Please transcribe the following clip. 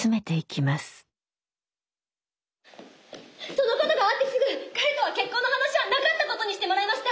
そのことがあってすぐ彼とは結婚の話はなかったことにしてもらいました。